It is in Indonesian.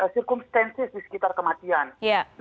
circumstances di sekitar kematian